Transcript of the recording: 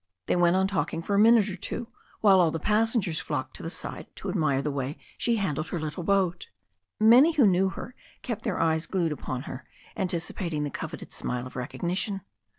They went on talking for a minute or two, while all the passengers flocked to the side to admire the way she handled her little boat. Many who knew her kept their eyes glued upon her, anticipating the coveted smile of recognition.